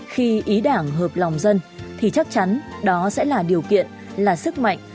khi ý đảng hợp lòng dân thì chắc chắn đó sẽ là điều kiện là sức mạnh